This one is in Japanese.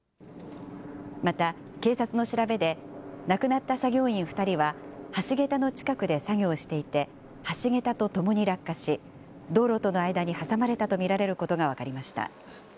また警察の調べで、亡くなった作業員２人は、橋桁の近くで作業をしていて、橋桁と共に落下し、道路との間に挟まれたと見られることが分かりました。